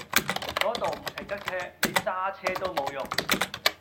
嗰度唔停得車，你揸車都冇用